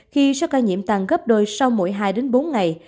khi số ca nhiễm tăng gấp đôi sau mỗi hai đến bốn ngày